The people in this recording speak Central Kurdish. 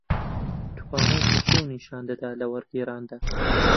توانایی پەشێو نیشان دەدا لە وەرگێڕاندا